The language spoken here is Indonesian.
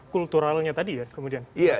kulturalnya tadi ya kemudian